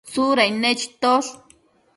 Tsudain nechitosh